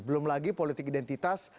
belum lagi politik identitas